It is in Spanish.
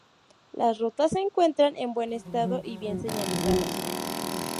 Las rutas se encuentran en buen estado y bien señalizadas.